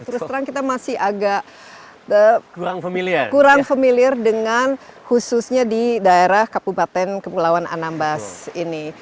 terus terang kita masih agak kurang familiar dengan khususnya di daerah kabupaten kepulauan anambas ini